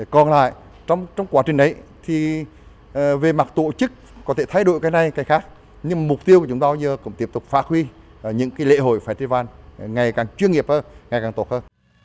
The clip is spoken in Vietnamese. còn lại trong quá trình đấy thì về mặt tổ chức có thể thay đổi cái này cái khác nhưng mục tiêu của chúng ta như là cũng tiếp tục phát huy những lễ hội festival ngày càng chuyên nghiệp hơn ngày càng tốt hơn